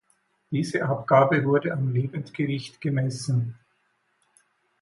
Diese Abgabe wurde am Lebendgewicht gemessen.